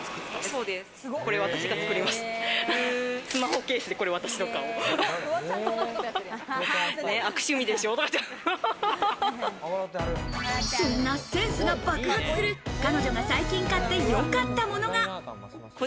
そんなセンスが爆発する彼女が最近買ってよかったものが。